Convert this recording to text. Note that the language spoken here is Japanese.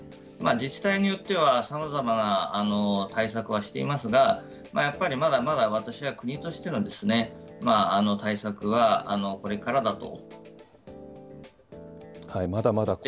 自治体によっては、さまざまな対策はしていますが、やっぱりまだまだ私は国としての対策はこれからだと思います。